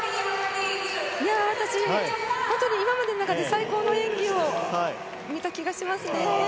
私、本当に今までの中で最高の演技を見た気がします。